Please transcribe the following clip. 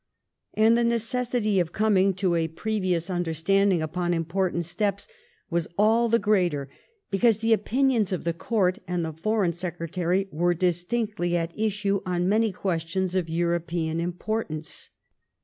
And the necessity of coming to a previous understanding 9 180 LIFE OF VISCOUNT PALMEB8T0N. upon important steps was all the greater because the opinioDS of the Court and the Foreign becretary were distinctly at issue on many questions of Eu* ropean importance.